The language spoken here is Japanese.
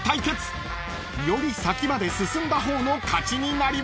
［より先まで進んだ方の勝ちになります］